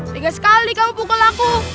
tiga sekali kamu pukul aku